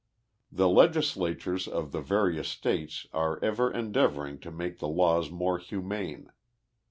The legislatures of the various states are ever endeavoring to make the laws more humane.